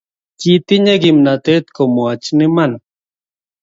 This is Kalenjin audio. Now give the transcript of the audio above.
Kitinye kimnatet ko mwach iman